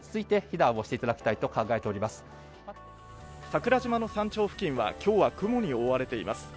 桜島の山頂付近は今日は雲に覆われています。